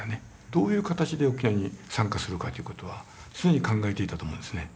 どういう形で沖縄に参加するかという事は常に考えていたと思うんですね。